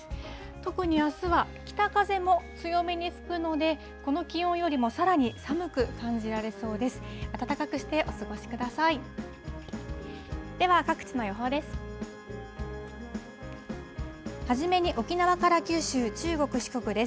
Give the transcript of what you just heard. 特にあすは、北風も強めに吹くので、この気温よりもさらに寒く感じられそうです。